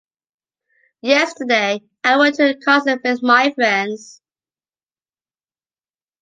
Yesterday I went to a concert with my friends.